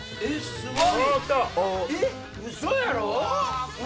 すごい！